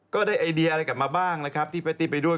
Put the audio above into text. ก็ได้ไอเดียอะไรกำลังมาบ้างที่แปปตี้ไปด้วย